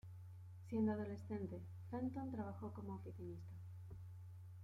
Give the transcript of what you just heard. Siendo adolescente, Fenton trabajó como oficinista.